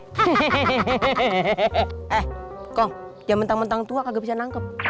eh kong jangan mentang mentang tua kagak bisa nangkep